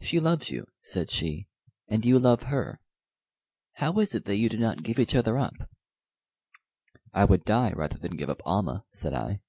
"She loves you," said she, "and you love her. How is it that you do not give each other up?" "I would die rather than give up Almah," said I.